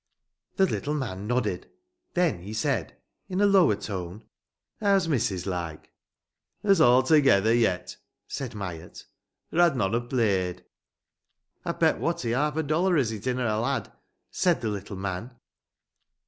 The little man nodded. Then he said in a lower tone: "How's missis, like?" "Her's altogether yet," said Myatt. "Or I'd none ha' played!" "I've bet Watty half a dollar as it inna' a lad!" said the little man.